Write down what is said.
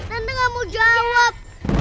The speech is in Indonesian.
tante nggak mau jawab